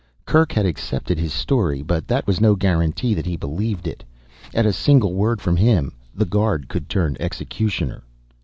Kerk had accepted his story, but that was no guarantee that he believed it. At a single word from him, the guard could turn executioner.